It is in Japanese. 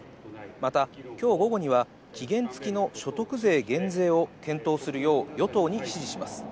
また、きょう午後には期限付きの所得税減税を検討するよう、与党に指示します。